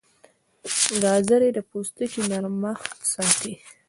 ګازرې د پوستکي نرمښت ساتي.